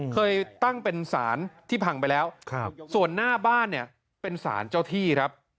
เคยตั้งเป็นสารที่พังไปแล้วส่วนหน้าบ้านเนี่ยเป็นสารเจ้าที่ครับ